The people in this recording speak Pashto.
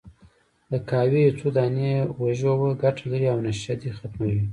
د قهوې یو څو دانې وژووه، ګټه لري، او نشه دې ختمه وي.